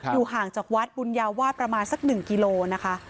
อยู่ห่างจากวัดปุญญาวาดประมาณสักหนึ่งกิโลนะคะ